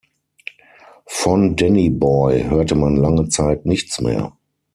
Von Danny Boy hörte man lange Zeit nichts mehr.